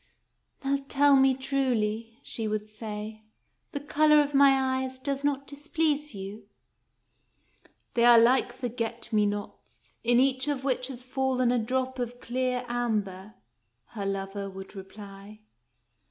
" Now tell me truly," she would say, " the color of my eyes does not displease you ?"" They are like forget me nots, in each of which has fallen a drop of clear amber," her lover would reply.